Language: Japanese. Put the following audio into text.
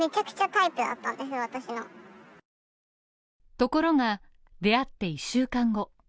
ところが、出会って１週間後。